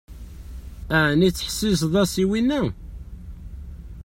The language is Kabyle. Ɛni tettḥessiseḍ-as i winna?